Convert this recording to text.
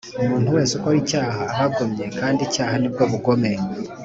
Umuntu wese ukora icyaha, aba agomye, kandi icyaha ni bwo bugome.